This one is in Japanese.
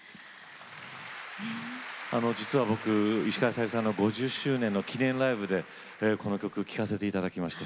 実は僕、石川さゆりさんの５０周年の記念ライブでこの曲を聴かせていただきました。